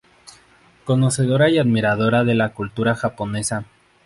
Conocedora y admiradora de la cultura japonesa.